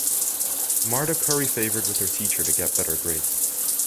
Marta curry favored with her teacher to get better grades.